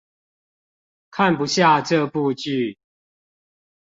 看不下這部劇